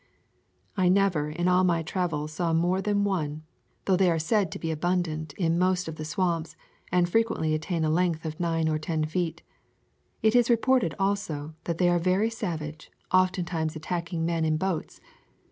I never in all my travels saw more than one, though they are said to be abundant in most of the swamps, and frequently attain a length of nine or ten feet. It is reported, also, that they are very savage, oftentimes attacking men in boats.